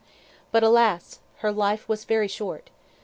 ".... But alas! her life was very short.